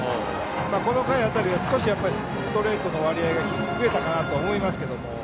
この回辺りは少しストレートの割合が増えたかなと思いますけども。